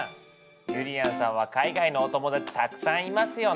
ゆりやんさんは海外のお友達たくさんいますよね？